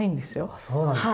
あそうなんですね。